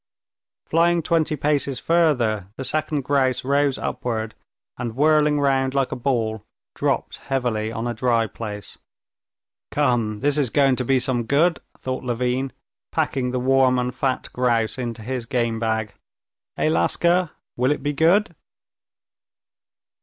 Flying twenty paces further, the second grouse rose upwards, and whirling round like a ball, dropped heavily on a dry place. "Come, this is going to be some good!" thought Levin, packing the warm and fat grouse into his game bag. "Eh, Laska, will it be good?"